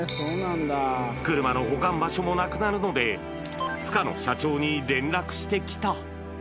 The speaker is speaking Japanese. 車の保管場所もなくなるので、塚野社長に連絡してきた。